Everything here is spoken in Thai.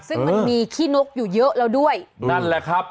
ซึ่งมันมีขี้นกอยู่เยอะแล้วด้วยนั่นแหละครับ